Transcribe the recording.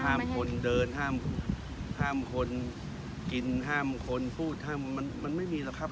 คนเดินห้ามคนกินห้ามคนพูดห้ามมันไม่มีหรอกครับ